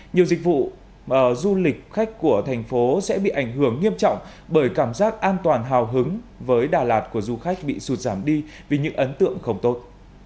nhiều dịch vụ du lịch khách của thành phố sẽ bị ảnh hưởng nghiêm trọng bởi cảm giác an toàn hào hứng với đà lạt của du khách bị sụt giảm đi vì những ấn tượng không tốt